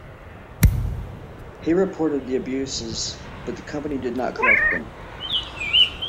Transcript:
He reported the abuses but the company did not correct them.